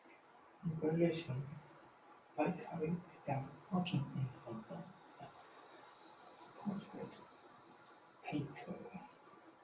On graduation, Vicari began working in London as a portrait painter.